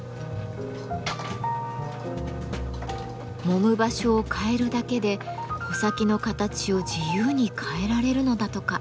もむ場所を変えるだけで穂先の形を自由に変えられるのだとか。